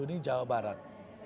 ini jawa barat